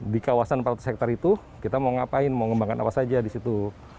di kawasan empat ratus hektare itu kita mau ngapain mau ngembangkan apa saja di situ